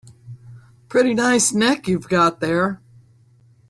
Pretty nice neck you've got there.